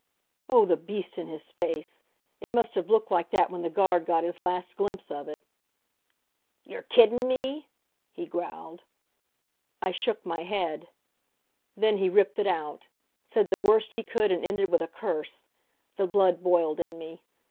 Oh, the beast in his face! It must have looked like that when the guard got his last glimpse of it. "You're kiddin' me?" he growled. I shook my head. Then he ripped it out. Said the worst he could and ended with a curse! The blood boiled in me.